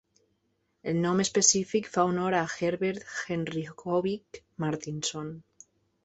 El nom específic fa honor a Gerbert Genrikhovich Martinson.